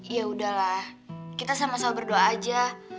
ya udah lah kita sama sama berdoa aja